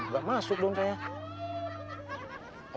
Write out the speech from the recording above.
gak masuk dong kayaknya